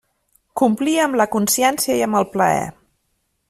Complia amb la consciència i amb el plaer.